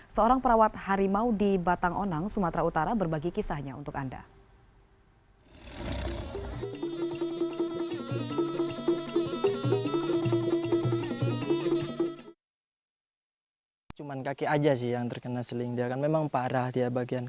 seorang perawat harimau di batang onang sumatera utara berbagi kisahnya untuk anda